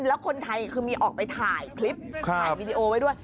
แล้วคนไทยคือมีออกไปถ่ายคลิปถ่ายวีดีโอไว้ด้วย